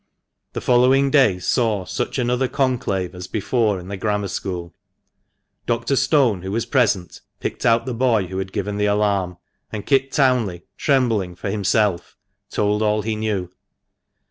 The following day saw such another conclave as before in the Grammar School. Dr. Stone, who was present, picked out the boy who had given the alarm; and Kit Townley, trembling for himself, told all he knew.